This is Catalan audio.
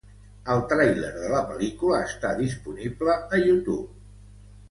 El tràiler de la pel·lícula està disponible a YouTube.